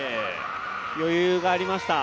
余裕がありました。